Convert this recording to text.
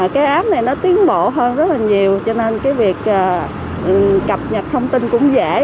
cái app này nó tiến bộ hơn rất là nhiều cho nên cái việc cập nhật thông tin cũng dễ